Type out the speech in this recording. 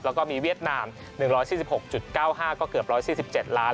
แล้วก็มีเวียดนาม๑๔๖๙๕ก็เกือบ๑๔๗ล้าน